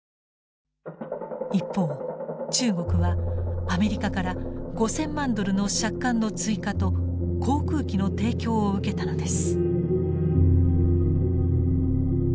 一方中国はアメリカから５，０００万ドルの借款の追加と航空機の提供を受けたのです。